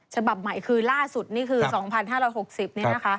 ฉบับใหม่คือล่าสุดนี่คือ๒๕๖๐เนี่ยนะคะ